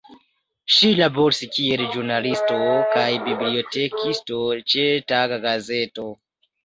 Ŝi laboris kiel ĵurnalisto kaj bibliotekisto ĉe taga gazeto.